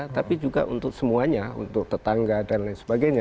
tapi juga untuk semuanya untuk tetangga dan lain sebagainya